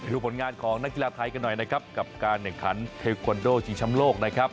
ผลงานของนักกีฬาไทยกันหน่อยนะครับกับการแข่งขันเทควันโดชิงช้ำโลกนะครับ